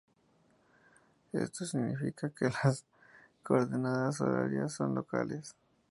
Esto significa que las coordenadas horarias son locales.